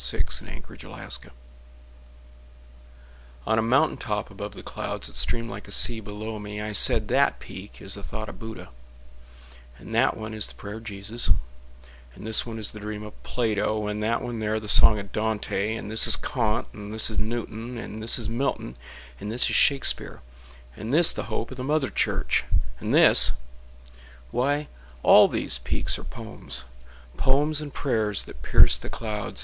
Judson Stoddard On a mountain top above the clouds That streamed like a sea below me I said that peak is the thought of Budda, And that one is the prayer of Jesus, And this one is the dream of Plato, And that one there the song of Dante, And this is Kant and this is Newton, And this is Milton and this is Shakespeare, And this the hope of the Mother Church, And this—why all these peaks are poems, Poems and prayers that pierce the clouds.